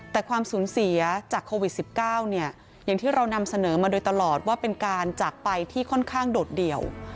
แต่ความสูญเสียจากโควิด๑๙อย่างที่เรานำเสนอมาโดยตลอดว่าเป็นการจากไปที่ค่อนข้างโดดเดี่ยว